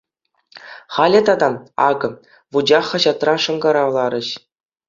Халӗ тата, акӑ, «Вучах» хаҫатран шӑнкӑравларӗҫ.